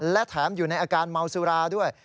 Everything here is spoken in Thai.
และแถมอยู่ในอาการเมาสุราด้วย